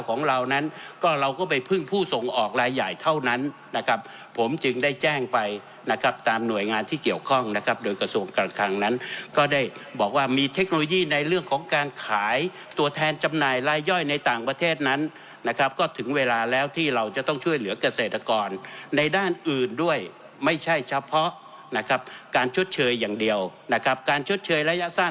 ของเรานั้นก็เราก็ไปพึ่งผู้ส่งออกรายใหญ่เท่านั้นนะครับผมจึงได้แจ้งไปนะครับตามหน่วยงานที่เกี่ยวข้องนะครับโดยกระทรวงการคลังนั้นก็ได้บอกว่ามีเทคโนโลยีในเรื่องของการขายตัวแทนจำหน่ายรายย่อยในต่างประเทศนั้นนะครับก็ถึงเวลาแล้วที่เราจะต้องช่วยเหลือกเกษตรกรในด้านอื่นด้วยไม่ใช่เฉพาะนะครับการชดเชยอย่างเดียวนะครับการชดเชยระยะสั้น